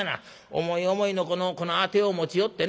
思い思いのこのアテを持ち寄ってね